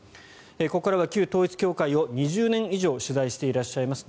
ここからは旧統一教会を２０年以上取材していらっしゃいます